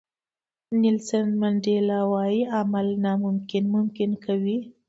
نیلسن منډیلا وایي عمل ناممکن ممکن کوي.